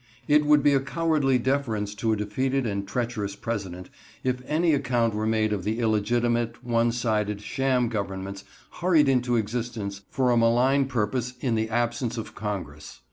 It would be a cowardly deference to a defeated and treacherous President, if any account were made of the illegitimate, one sided, sham governments hurried into existence for a malign purpose in the absence of Congress.